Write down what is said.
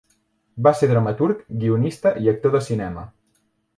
Va ser dramaturg, guionista i actor de cinema.